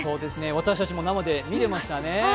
私たちも生で見てましたね。